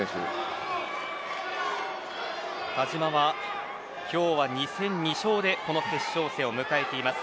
田嶋は今日が２戦２勝で決勝戦を迎えています。